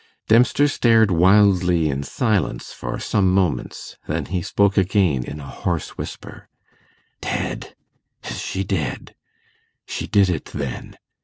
Dempster stared wildly in silence for some moments; then he spoke again in a hoarse whisper: 'Dead ... is she dead? She did it, then.